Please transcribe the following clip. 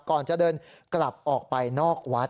ก่อนจะเดินกลับออกไปนอกวัด